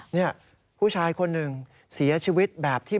นี่ผู้ชายคนหนึ่งเสียชีวิตแบบที่